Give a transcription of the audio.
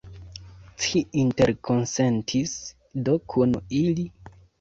Ci interkonsentis do kun ili?